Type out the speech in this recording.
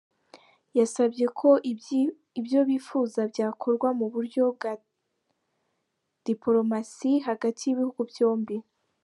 Yasabye ko ibyo bifuza byakorwa mu buryo bwa dipolomasi hagati y’ibihugu byombi.